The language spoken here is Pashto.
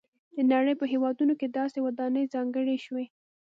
د نړۍ په هېوادونو کې داسې ودانۍ ځانګړې شوي.